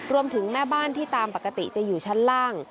แม่บ้านที่ตามปกติจะอยู่ชั้นล่าง